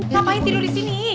ngapain tidur disini